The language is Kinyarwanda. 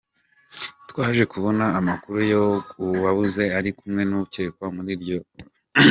Twaje kubona amakuru ko uwabuze yari kumwe n’ukekwa mu ijoro ryabanje.